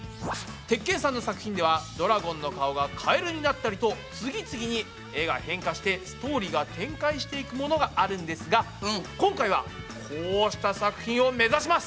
鉄拳さんの作品ではドラゴンの顔がカエルになったりと次々に絵が変化してストーリーが展開していくものがあるんですが今回はこうした作品を目指します。